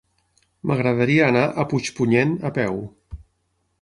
M'agradaria anar a Puigpunyent a peu.